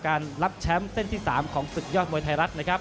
การรับแชมป์เส้นที่๓ของศึกยอดมวยไทยรัฐนะครับ